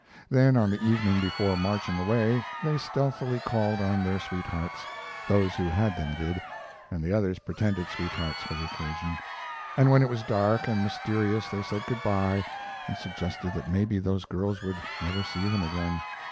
Then, on the evening before marching away, they stealthily called on their sweethearts those who had them did, and the others pretended sweethearts for the occasion and when it was dark and mysterious they said good by and suggested that maybe those girls would never see them again.